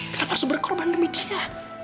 kenapa harus berkorban demi dia